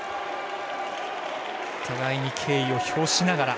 互いに敬意を表しながら。